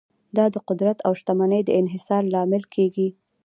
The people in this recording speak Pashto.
دا د قدرت او شتمنۍ د انحصار لامل کیږي.